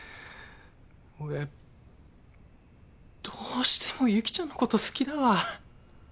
俺どうしても由岐ちゃんのこと好きだわ。